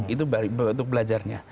itu untuk belajarnya